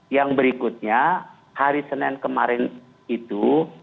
yang berikutnya hari senin kemarin itu